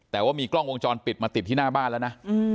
แต่ว่ามีกล้องวงจรปิดมาติดที่หน้าบ้านแล้วนะ